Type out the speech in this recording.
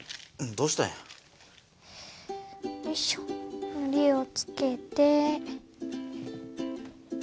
どうしたの？